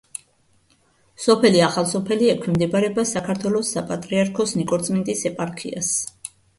სოფელი ახალსოფელი ექვემდებარება საქართველოს საპატრიარქოს ნიკორწმინდის ეპარქიას.